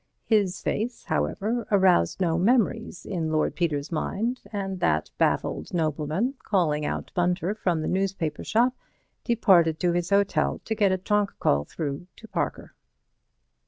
His face, however, aroused no memories in Lord Peter's mind, and that baffled nobleman, calling out Bunter from the newspaper shop, departed to his hotel to get a trunk call through to Parker.